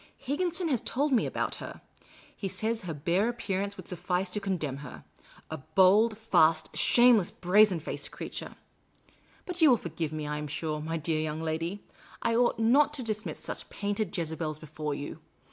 Higginson has told me about her. He says her bare appearance would suffice to condemn her — a bold, fast, shameless, brazen faced creature. But you will forgive me, I am sure, my dear young lady ; I ought not to discuss such painted Jezebels before you.